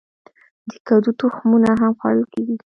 د کدو تخمونه هم خوړل کیږي.